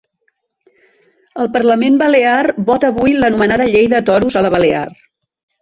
El parlament balear vota avui l’anomenada llei de toros a la balear.